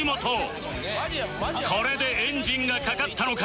これでエンジンがかかったのか